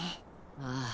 ああ。